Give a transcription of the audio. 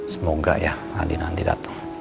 semoga ya adi nanti datang